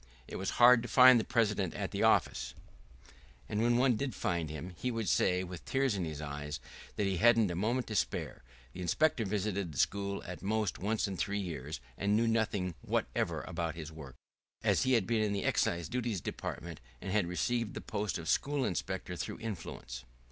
It was hard to find the president at the office, and when one did find him he would say with tears in his eyes that he hadn't a moment to spare; the inspector visited the school at most once in three years, and knew nothing whatever about his work, as he had been in the Excise Duties Department, and had received the post of school inspector through influence.